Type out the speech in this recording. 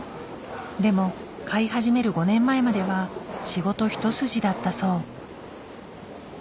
でも飼い始める５年前までは仕事一筋だったそう。